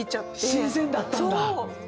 新鮮だったんだ？